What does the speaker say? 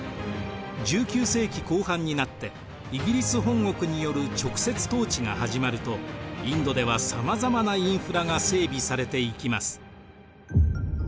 １９世紀後半になってイギリス本国による直接統治が始まるとインドではさまざまなインフラが整備されていきます。